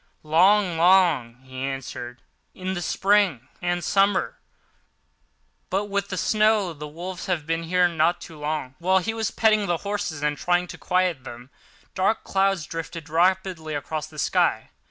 "Long, long," he answered, "in the spring and summer; but with the snow the wolves have been here not so long." Whilst he was petting the horses and trying to quiet them, dark clouds drifted rapidly across the sky.